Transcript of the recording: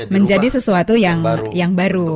menjadi sesuatu yang baru